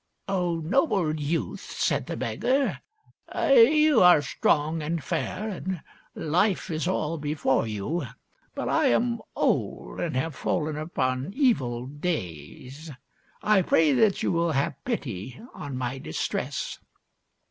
" O noble youth," said the beggar, " you are strong and fair, and life is all before you. But I am old and have fallen upon evil days. I pray that you will have pity on my distress."